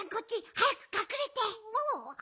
はやくかくれて。